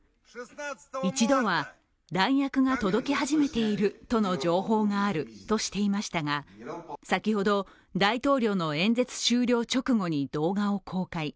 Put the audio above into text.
一度は弾薬が届き始めているとの情報があるとしていましたが、先ほど、大統領の演説終了直後に動画を公開。